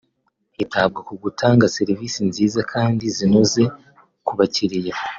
hitabwa ku gutanga serivisi nziza kandi zinoze ku bakiliya